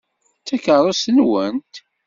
D takeṛṛust-nwent?